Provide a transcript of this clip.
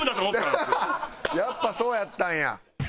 やっぱそうやったんや。